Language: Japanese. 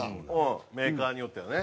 メーカーによってはね。